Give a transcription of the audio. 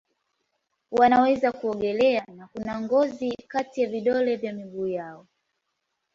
Wanaweza kuogelea na kuna ngozi kati ya vidole vya miguu yao.